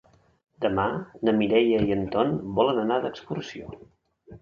Demà na Mireia i en Tom volen anar d'excursió.